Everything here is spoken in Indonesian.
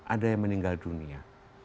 ada yang meninggal dunia